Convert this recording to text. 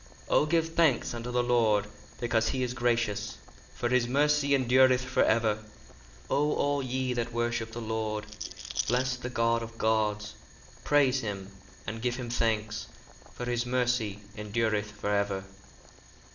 67 O give thanks unto the Lord, because he is gracious: for his mercy endureth for ever. 68 O all ye that worship the Lord bless the God of gods, praise him, and give him thanks: for his mercy endureth for ever.